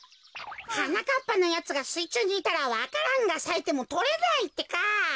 はなかっぱのやつがすいちゅうにいたらわか蘭がさいてもとれないってか。